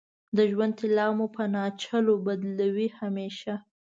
د ژوند طلا مو په ناچلو بدلوې همیشه